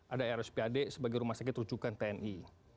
ada rspad sebagai rumah sakit rujukan tni